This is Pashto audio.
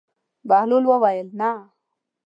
بهلول وویل: نه.